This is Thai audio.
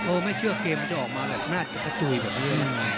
ไม่เชื่อเกมมันจะออกมาแบบน่าจะกระจุยแบบนี้